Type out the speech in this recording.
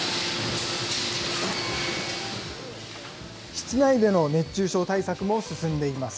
室内での熱中症対策も進んでいます。